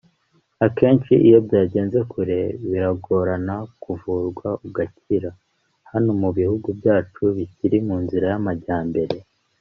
Akenshi iyo byageze kure biragorana kuvurwa ugakira hano mu bihugu byacu bikiri munzira y’amajyambere